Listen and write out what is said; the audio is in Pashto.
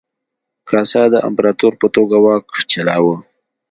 کاسا د امپراتور په توګه واک چلاوه.